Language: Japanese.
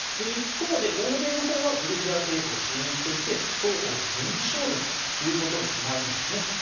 一方で、欧米のほうはグルジア政府を支援していて双方が軍事衝突ということになるんです。